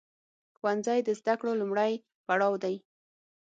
ښوونځی د زده کړو لومړی پړاو دی.